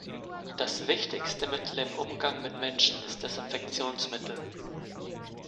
Das wichtigste Mittel im Umgang mit Menschen ist Desinfektionsmittel.